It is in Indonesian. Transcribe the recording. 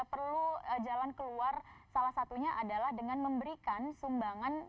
perlu jalan keluar salah satunya adalah dengan memberikan sumbangan